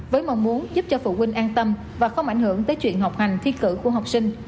với mong muốn giúp cho phụ huynh an tâm và không ảnh hưởng tới chuyện học hành thi cử của học sinh